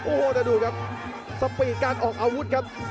โอ้โหแต่ดูครับสปีดการออกอาวุธครับ